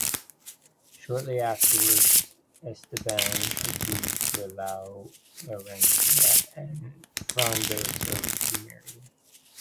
Shortly afterwards, Esteban agrees to allow Laurencia and Frondoso to marry.